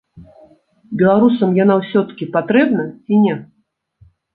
Беларусам яна ўсё-ткі патрэбна ці не?